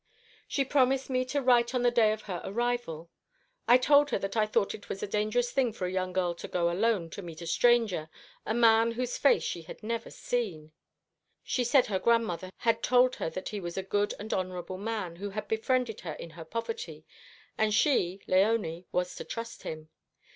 She promised me to write on the day of her arrival. I told her that I thought it was a dangerous thing for a young girl to go alone to meet a stranger, a man whose face she had never seen. She said her grandmother had told her that he was a good and honourable man, who had befriended her in her poverty, and she (Léonie) was to trust him.